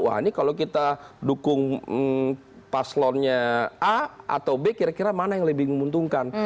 wah ini kalau kita dukung paslonnya a atau b kira kira mana yang lebih menguntungkan